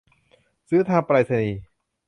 ซื้อทางไปรษณีย์